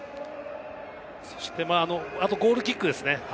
そして、あとゴールキックですね。